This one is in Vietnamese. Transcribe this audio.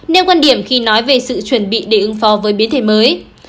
nêu quan điểm khi nói về sự chuẩn bị để ứng phó với biến thể mới